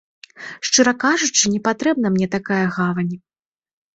Шчыра кажучы, не патрэбна мне такая гавань.